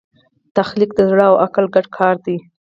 تخلیق د زړه او عقل ګډ کار دی.